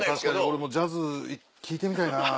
俺もジャズ聴いてみたいな。